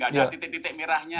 tidak ada titik titik merahnya